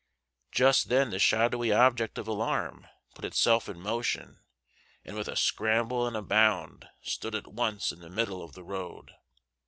Just then the shadowy object of alarm put itself in motion, and with a scramble and a bound stood at once in the middle of the road.